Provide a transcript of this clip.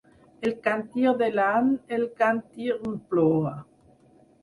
El càntir de l’any, el ‘Càntirnplora’